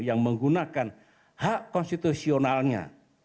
yang menggunakan hak konstitusionalnya